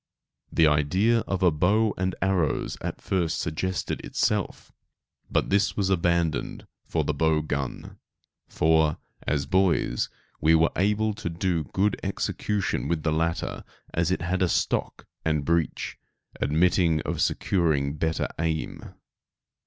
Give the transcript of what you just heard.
The idea of a bow and arrows at first suggested itself, but this was abandoned for the bow gun, for, as boys, we were able to do good execution with the latter as it had a stock and breech, admitting of securing better aim.